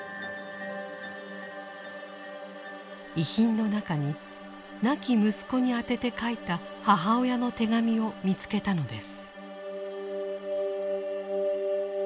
遺品の中に亡き息子に宛てて書いた母親の手紙を見つけたのです。